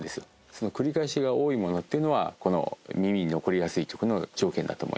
その繰り返しが多いものっていうのは耳に残りやすい曲の条件だと思います。